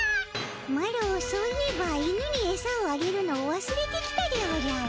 マロそういえば犬にエサをあげるのをわすれてきたでおじゃる。